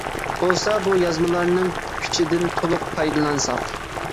بولسا بۇ يازمىلارنىڭ كۈچىدىن تولۇق پايدىلانساق.